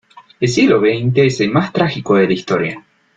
El siglo veinte es el más trágico de la historia.